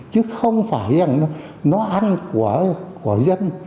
chứ không phải rằng nó ăn của dân